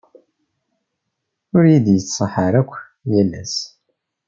ur iyi-d-yettṣaḥ ara akka yal ass.